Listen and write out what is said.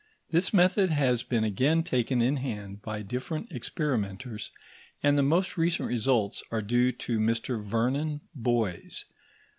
This method has been again taken in hand by different experimenters, and the most recent results are due to Mr Vernon Boys.